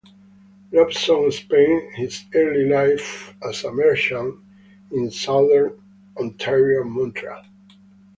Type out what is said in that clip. Robson spent his early life as a merchant in southern Ontario and Montreal.